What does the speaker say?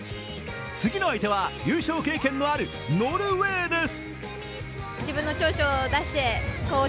次の相手は優勝経験のあるノルウェーです。